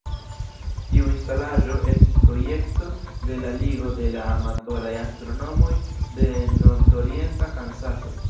Tiu instalaĵo estis projekto de la Ligo de la Amatoraj Astronomoj de Nord-Orienta Kansaso.